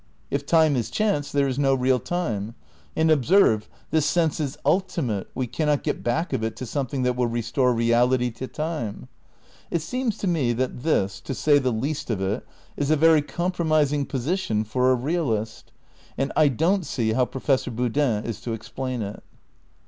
If time is chance there is no real time. And, observe, this sense is "ultimate"; we can not get back of it to something that will restore reality to time. It seems to me that this, to say the least of it, is a very compromising position for a realist. And I don't see how Professor Boodin is to explain it.